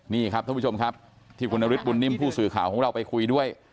นี่ครับท่านผู้ชมครับที่คุณนฤทธบุญนิ่มผู้สื่อข่าวของเราไปคุยด้วย